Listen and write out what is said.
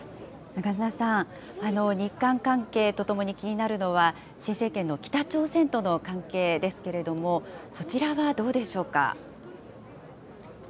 長砂さん、日韓関係とともに気になるのは、新政権の北朝鮮との関係ですけれども、そちらはどうでしょうか。